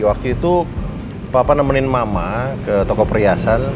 waktu itu papa nemenin mama ke toko perhiasan